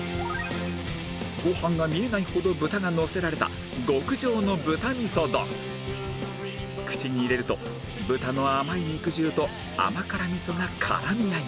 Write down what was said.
ご飯が見えないほど豚がのせられた極上の口に入れると豚の甘い肉汁と甘辛みそが絡み合います